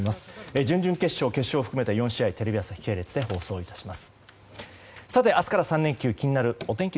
準々決勝、決勝含めて４試合テレビ朝日系列で放送いたします。